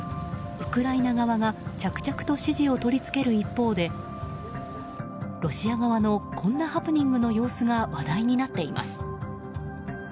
ウクライナ側が着々と支持を取り付ける一方でロシア側のこんなハプニングの様子が話題になっています。